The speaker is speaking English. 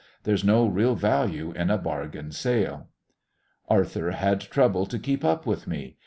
There's no real value in a bargain sale. Arthur had trouble to keep up with me.